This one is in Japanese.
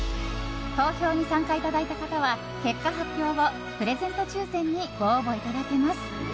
投票に参加いただいた方は結果発表後、プレゼント抽選にご応募いただけます。